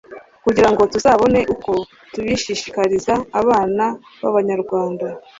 kugira ngo tuzabone uko tubishishikariza abana b'Abanyarwanda.